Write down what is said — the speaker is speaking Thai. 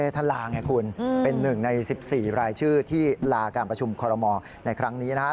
ท่านลาไงคุณเป็นหนึ่งใน๑๔รายชื่อที่ลาการประชุมคอรมอลในครั้งนี้นะครับ